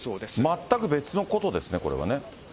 全く別のことですね、これはね。